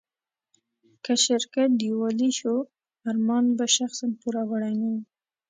که شرکت ډيوالي شو، ارمان به شخصاً پوروړی نه و.